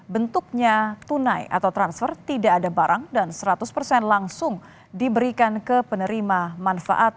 bentuknya tunai atau transfer tidak ada barang dan seratus persen langsung diberikan ke penerima manfaat